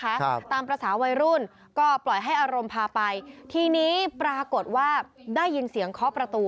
ครับตามภาษาวัยรุ่นก็ปล่อยให้อารมณ์พาไปทีนี้ปรากฏว่าได้ยินเสียงเคาะประตู